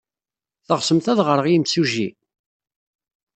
Teɣsemt ad d-ɣreɣ i yimsujji?